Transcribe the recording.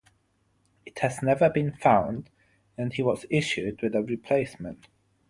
It has never been found, and he was issued with a replacement.